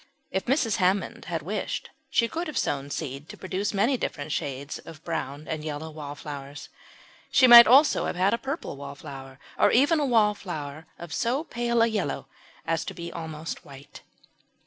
If Mrs. Hammond had wished she could have sown seed to produce many different shades of brown and yellow Wallflowers. She might also have had a purple Wallflower, and even a Wallflower of so pale a yellow as to be almost white.